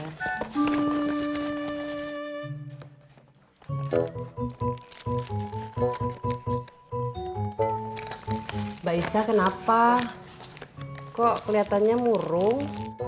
mbak isah kenapa kok keliatannya murung